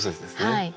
はい。